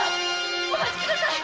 お待ちください！